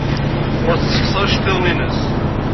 Ur tessexṣer iceḍḍiḍen-nnes.